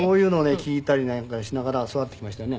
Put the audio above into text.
聴いたりなんかしながら育ってきましたよね。